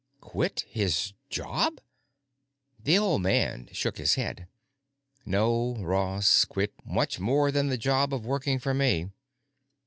"Quit his job?" The old man shook his head. "No, Ross. Quit much more than the job of working for me.